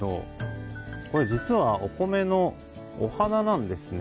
これ実はお米のお花なんですね。